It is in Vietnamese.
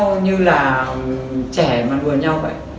không như là trẻ mà đùa nhau vậy